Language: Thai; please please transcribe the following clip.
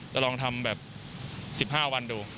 จะลองทำแบบ๑๕วันดู